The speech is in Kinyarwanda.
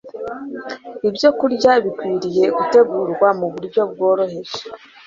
Ibyokurya bikwiriye gutegurwa mu buryo bworoheje